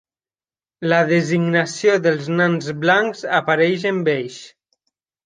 La designació dels nans blancs apareix en beix.